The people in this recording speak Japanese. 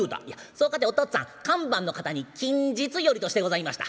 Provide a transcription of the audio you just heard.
『そうかてお父っつぁん看板のかたに「近日より」としてございました。